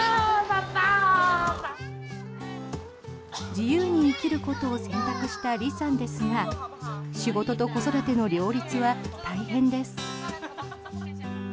自由に生きることを選択したリさんですが仕事と子育ての両立は大変です。